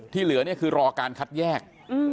ที่เหลือคือรอการคัดแยก